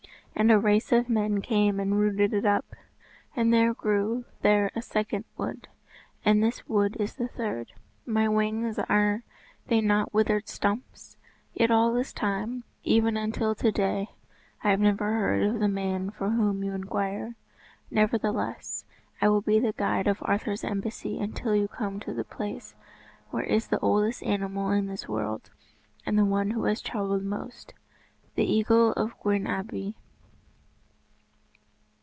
And a race of men came and rooted it up. And there grew there a second wood, and this wood is the third. My wings, are they not withered stumps? Yet all this time, even until to day, I have never heard of the man for whom you inquire. Nevertheless, I will be the guide of Arthur's embassy until you come to the place where is the oldest animal in this world, and the one who has travelled most, the Eagle of Gwern Abwy."